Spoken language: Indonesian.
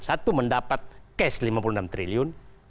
satu mendapat cash lima puluh enam triliun